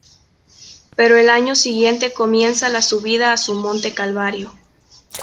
Pero al año siguiente comienza la subida a su monte calvario.